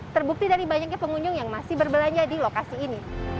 terbukti dari banyaknya pengunjung yang masih berbelanja di lokasi ini